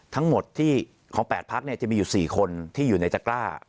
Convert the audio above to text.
ทั้งหมดที่ของแปดภาคเนี่ยจะมีอยู่สี่คนที่อยู่ในจักร้า